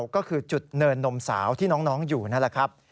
ก็คือจุดเนินนมสาวที่น้องอยู่นั่นแหละครับ